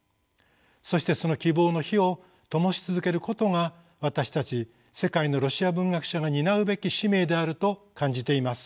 そしてその希望の火をともし続けることが私たち世界のロシア文学者が担うべき使命であると感じています。